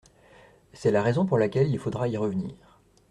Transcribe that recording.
C’est la raison pour laquelle il faudra y revenir.